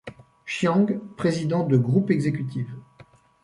Chiang, président de Group Executive.